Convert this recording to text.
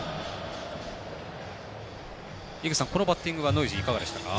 井口さん、このバッティングはノイジーいかがでしたか？